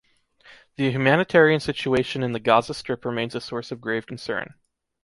The humanitarian situation in the Gaza Strip remains a source of grave concern.